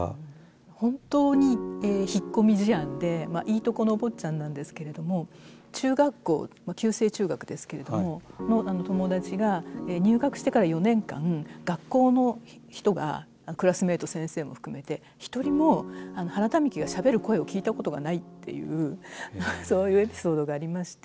本当に引っ込み思案でいいとこのお坊ちゃんなんですけれども中学校旧制中学ですけれどもの友達が入学してから４年間学校の人がクラスメート先生も含めて一人も原民喜がしゃべる声を聞いたことがないっていうそういうエピソードがありまして。